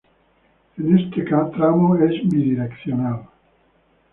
En este tramo es bidireccional.